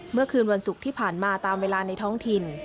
เมื่อคืนวันศุกร์ที่ผ่านมาตามเวลาในท้องถิ่น